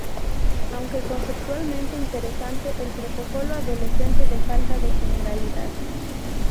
Aunque conceptualmente interesante, el protocolo adolece de falta de generalidad.